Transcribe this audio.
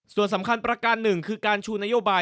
ส่วนสำคัญประการหนึ่งคือการชูนโยบาย